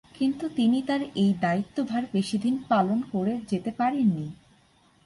কিন্তু তিনি তার এই দায়িত্বভার বেশিদিন পালন করে যেতে পারেননি।